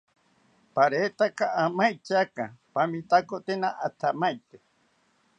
Paretaka amaityaka pamitakotena athamaite